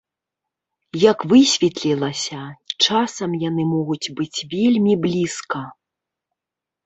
Як высветлілася, часам яны могуць быць вельмі блізка.